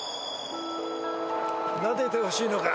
なでてほしいのか。